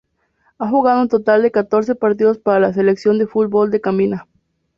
Ha jugado un total de catorce partidos para la selección de fútbol de Gambia.